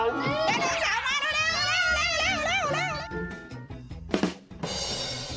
ไดโนเสาร์